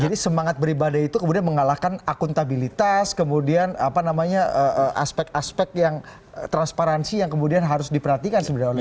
jadi semangat beribadah itu kemudian mengalahkan akuntabilitas kemudian aspek aspek yang transparansi yang kemudian harus diperhatikan sebenarnya